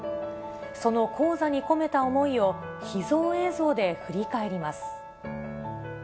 その高座に込めた思いを秘蔵映像で振り返ります。